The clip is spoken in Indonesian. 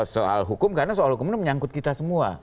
soal hukum karena soal hukum ini menyangkut kita semua